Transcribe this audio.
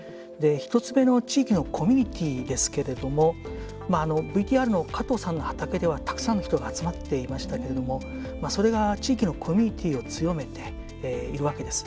１つ目の地域のコミュニティーですがＶＴＲの加藤さんの畑ではたくさんの人が集まっていましたけれどもそれが地域のコミュニティーを強めているわけです。